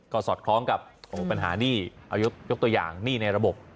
ก็สอดคล้องกับปัญหาหนี้เอายกตัวอย่างหนี้ในระบบ